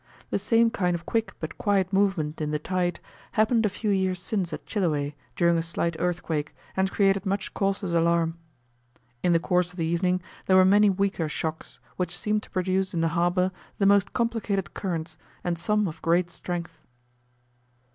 The same kind of quick but quiet movement in the tide happened a few years since at Chiloe, during a slight earthquake, and created much causeless alarm. In the course of the evening there were many weaker shocks, which seemed to produce in the harbour the most complicated currents, and some of great strength.